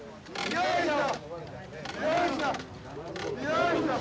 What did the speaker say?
よいしょ！